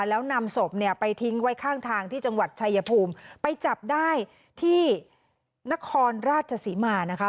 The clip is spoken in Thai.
แล้วนำศพเนี่ยไปทิ้งไว้ข้างทางที่จังหวัดชายภูมิไปจับได้ที่นครราชศรีมานะคะ